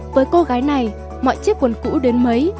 với cô gái này mọi chiếc quần cũ đến mấy